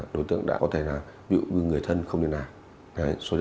đối tượng bỏ